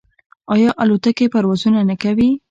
آیا الوتکې پروازونه نه کوي؟